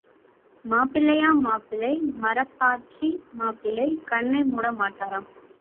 மாப்பிள்ளையாம் மாப்பிள்ளை மரப்பாச்சி மாப்பிள்ளை கண்ணைமூட மாட்டாராம்.